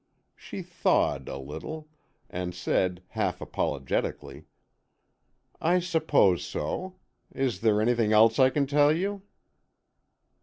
She thawed a little, and said, half apologetically, "I suppose so. Is there anything else I can tell you?"